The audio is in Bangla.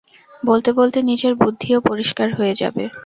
বলতে বলতে নিজের বুদ্ধিও পরিষ্কার হয়ে যাবে।